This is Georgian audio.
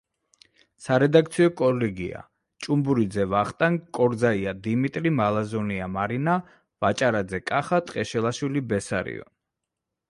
სარედაქციო კოლეგია: ჭუმბურიძე ვახტანგ, კორძაია დიმიტრი, მალაზონია მარინა, ვაჭარაძე კახა, ტყეშელაშვილი ბესარიონ.